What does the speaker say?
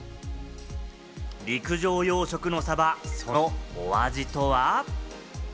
陸上養殖のサバ、そのお味とは？